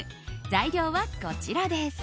材料はこちらです。